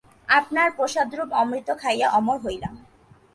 আপনার প্রসাদরূপ অমৃত খাইয়া অমর হইলাম।